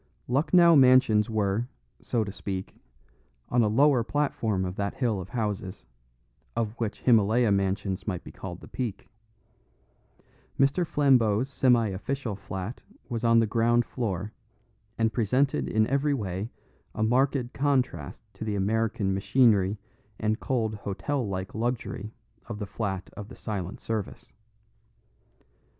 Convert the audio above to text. Lucknow Mansions were, so to speak, on a lower platform of that hill of houses, of which Himylaya Mansions might be called the peak. Mr. Flambeau's semi official flat was on the ground floor, and presented in every way a marked contrast to the American machinery and cold hotel like luxury of the flat of the Silent Service.